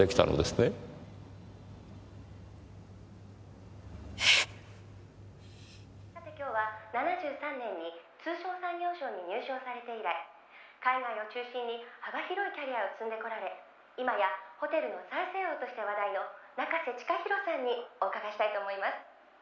「さて今日は７３年に通商産業省に入省されて以来海外を中心に幅広いキャリアを積んでこられ今やホテルの再生王として話題の仲瀬親洋さんにお伺いしたいと思います」